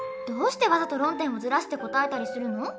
どうしてわざと論点をずらして答えたりするの？